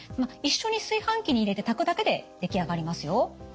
一緒に炊飯器に入れて炊くだけで出来上がりますよ。